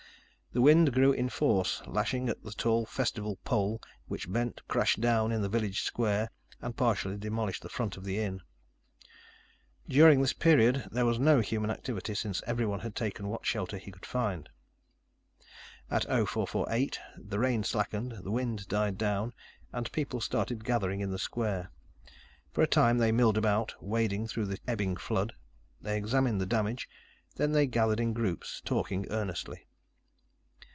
The wind grew in force, lashing at the tall festival pole, which bent, crashed down in the village square, and partially demolished the front of the inn. During this period, there was no human activity, since everyone had taken what shelter he could find. At 0448, the rain slackened, the wind died down, and people started gathering in the square. For a time, they milled about, wading through the ebbing flood. They examined the damage, then they gathered in groups, talking earnestly.